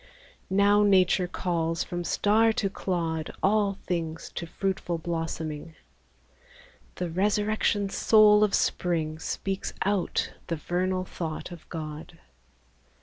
Now Nature calls from star to clod All things to fruitful blossoming : The resurrection soul of Spring Speaks out the vernal thought of God.